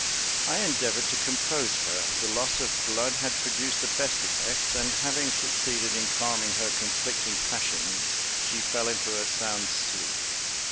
I endeavoured to compose her; the loss of blood had produced the best effects; and, having succeeded in calming her conflicting passions, she fell into a sound sleep.